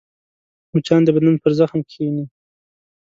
مچان د بدن پر زخم کښېني